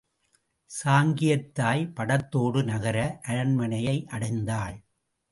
சாங்கியத்தாய் படத்தோடு நகர அரண்மனையை அடைந்தாள்.